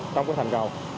trong cái thành cầu